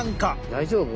大丈夫？